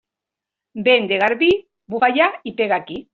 Vent de garbí, bufa allà i pega aquí.